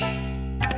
gak usah bayar